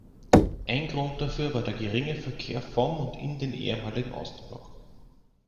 Ein Grund dafür war der geringe Verkehr vom und in den ehemaligen Ostblock.